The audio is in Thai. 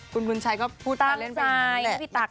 คุณบุญชัยก็พูดไปเล่นไปอย่างนั้นแหละตั้งใจพี่ตั๊ก